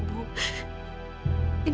ini berdua kesalahan